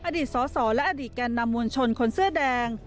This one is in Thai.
อดีตสสและอดีตแก่นำมวลชนคนเสื้อแดง